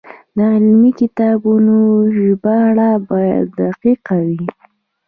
د علمي کتابونو ژباړه باید دقیقه وي.